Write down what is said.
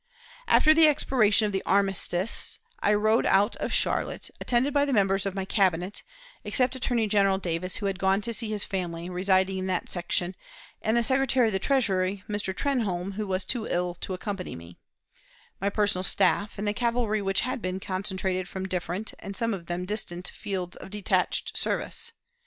After the expiration of the armistice, I rode out of Charlotte, attended by the members of my Cabinet (except Attorney General Davis, who had gone to see his family, residing in that section, and the Secretary of the Treasury, Mr. Trenholm, who was too ill to accompany me), my personal staff, and the cavalry which had been concentrated from different, and some of them distant, fields of detached service.